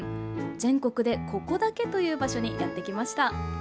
全国でここだけという場所にやってきました。